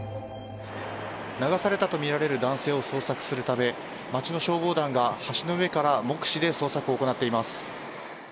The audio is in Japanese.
流されたとみられる男性を捜索するため町の消防団が橋の上から目視で捜索を行っています。